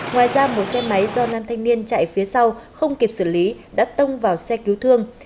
ngoài ra một xe máy do nam thanh niên chạy phía sau không kịp xử lý đã tông vào xe cứu thương